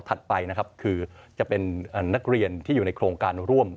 ไปนะครับคือจะเป็นนักเรียนที่อยู่ในโครงการร่วม